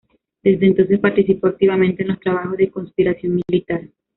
Desde entonces participó activamente en los trabajos de conspiración militar.